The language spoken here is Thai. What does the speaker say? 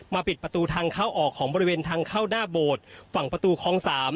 ปิดประตูทางเข้าออกของบริเวณทางเข้าหน้าโบสถ์ฝั่งประตูคลอง๓